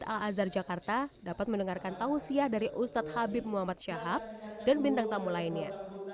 al azhar jakarta dapat mendengarkan tausiah dari ustadz habib muhammad syahab dan bintang tamu lainnya